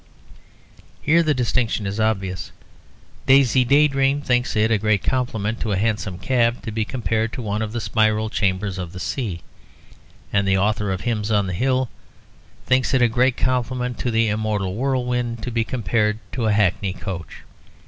"Here the distinction is obvious. 'Daisy Daydream' thinks it a great compliment to a hansom cab to be compared to one of the spiral chambers of the sea. And the author of 'Hymns on the Hill' thinks it a great compliment to the immortal whirlwind to be compared to a hackney coach.